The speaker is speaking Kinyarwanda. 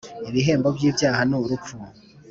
ibihembo by ibyaha ni urupfu